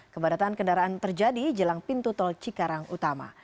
kepadatan kendaraan terjadi jelang pintu tol cikarang utama